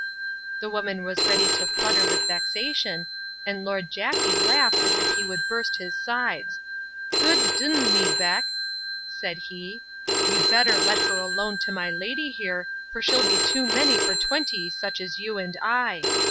The woman was ready to flutter with vexation; and Lord Jackey laughed as if he would burst his sides: G—d d—n me, Beck, said he, you'd better let her alone to my lady here for she'll be too many for twenty such as you and I!